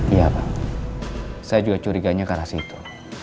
iya pak saya juga curiganya karena situ